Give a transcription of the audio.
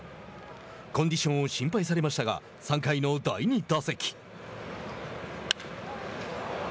コンディションを心配されましたが３回の第２打席。